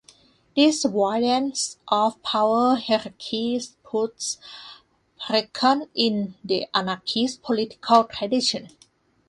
This avoidance of power hierarchies puts parecon in the anarchist political tradition.